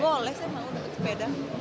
boleh saya mau untuk sepeda